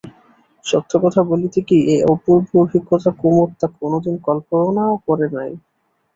সত্য কথা বলিতে কি, এ অপূর্ব অভিজ্ঞতা কুমুদ তো কোনোদিন কল্পনাও করে নাই।